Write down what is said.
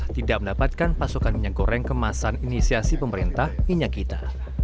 tidak mendapatkan pasokan minyak goreng kemasan inisiasi pemerintah minyak kita